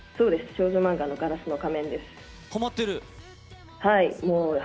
少女漫画のガラスの仮面です。